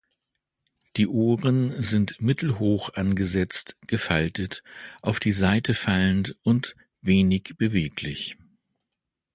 Die Ohren sind mittelhoch angesetzt, gefaltet, auf die Seite fallend und wenig beweglich.